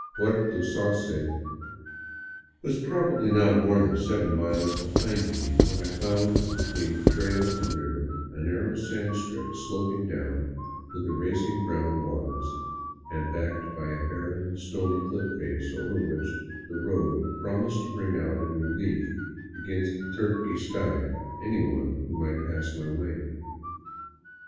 Puerto Sauce was probably not more than seven miles behind me when I found, between trail and river, a narrow sand strip sloping down to the racing brown waters and backed by a barren, stony cliff face over which the " road " prom ised to bring out in relief against the turqui sky anyone who might pass my way.